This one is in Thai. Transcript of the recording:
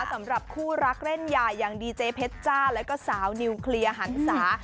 สำหรับคู่รักเล่นใหญ่อย่างดีเจเพชรจ้าแล้วก็สาวนิวเคลียร์หันศา